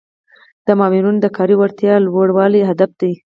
د مامورینو د کاري وړتیاوو لوړول هدف دی.